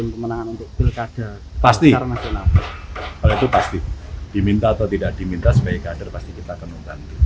pasti pasti diminta atau tidak diminta